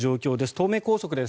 東名高速です。